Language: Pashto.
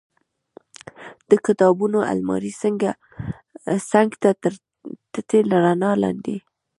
د کتابونو المارۍ څنګ ته تر تتې رڼا لاندې.